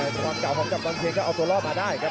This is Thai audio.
ส่วนเก่าของกัปตันเคนก็เอาตัวรอบมาได้ครับ